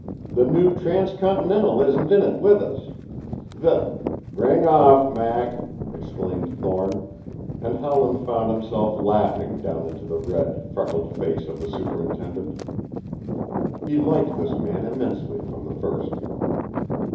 The new Trans continental isn't in it with us! The " "Ring off, Mac!" exclaimed Thorne; and Howland found himself laughing down into the red, freckled face of the superintendent. He liked this man immensely from the first.